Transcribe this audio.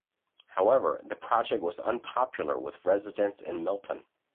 However, the project was unpopular with residents in Milton.